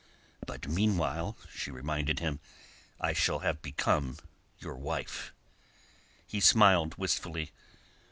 "But meanwhile," she reminded him, "I shall have become your wife." He smiled wistfully.